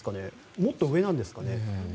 もっと上なんですかね。